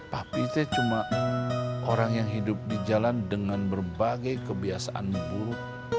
papi tuh cuma orang yang hidup di jalan dengan berbagai kebiasaan buruk